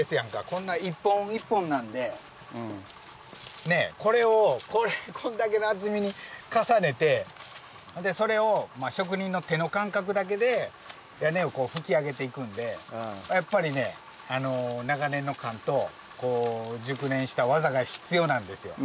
こんな一本一本なんでこれをこんだけの厚みに重ねてそれを職人の手の感覚だけで屋根をふき上げていくんでやっぱり長年の勘と熟練した技が必要なんですよ。